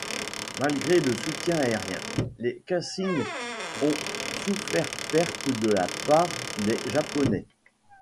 Malgré le soutien aérien, les Kashins ont souffert pertes de la part des Japonais.